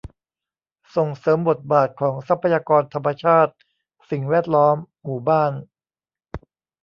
ส่งเสริมบทบาทของทรัพยากรธรรมชาติ สิ่งแวดล้อม หมู่บ้าน